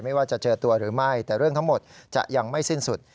ว่าจะเจอตัวหรือไม่แต่เรื่องทั้งหมดจะยังไม่สิ้นสุด